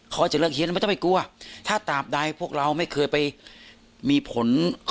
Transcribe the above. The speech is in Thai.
เขาจะเลิกเขียนแล้วไม่ต้องไปกลัวถ้าตามใดพวกเราไม่เคยไปมีผล